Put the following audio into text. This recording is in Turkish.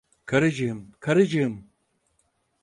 Karıcığım, karıcığım!